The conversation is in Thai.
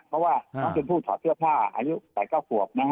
เพราะว่าน้องเป็นผู้ถอดเสื้อผ้าอายุ๘๙ขวบนะฮะ